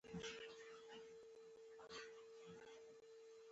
زه هیله کوم چې زموږ راتلونکی نسل تعلیم یافته او پوه وي